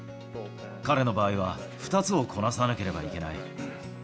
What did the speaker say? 彼の場合は２つをこなさなければいけない。